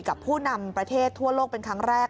ผู้นำประเทศทั่วโลกเป็นครั้งแรก